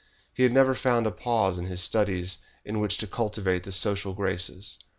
He had never found a pause in his studies in which to cultivate the social graces.